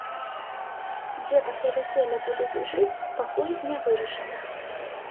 Дзе пасля вяселля будуць жыць, пакуль не вырашана.